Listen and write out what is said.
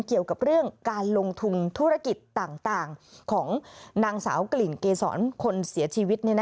เกี่ยวกับเรื่องการลงทุนธุรกิจต่างของนางสาวกลิ่นเกษรคนเสียชีวิต